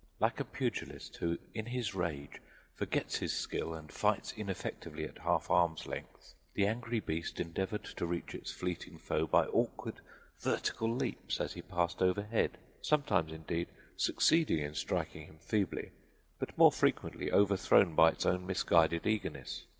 Like a pugilist who in his rage forgets his skill and fights ineffectively at half arm's length, the angry beast endeavored to reach its fleeting foe by awkward vertical leaps as he passed overhead, sometimes, indeed, succeeding in striking him feebly, but more frequently overthrown by its own misguided eagerness.